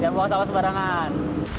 jangan buang sampah sembarangan